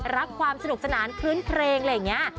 ความสนุกสนานคลื้นเครงอะไรอย่างนี้